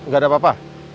gak ada apa apa